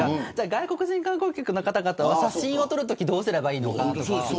外国人観光客の方は写真を撮るときどうすればいいのか。